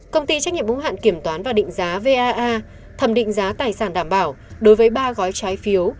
công ty trách nhiệm bo hạn kiểm toán và định giá va thẩm định giá tài sản đảm bảo đối với ba gói trái phiếu